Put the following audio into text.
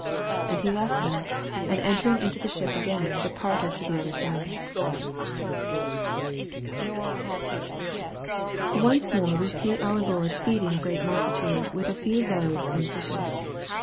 13 And he left them, and entering into the ship again departed to the other side. ONCE more we see our Lord feeding a great multitude with a few loaves and fishes.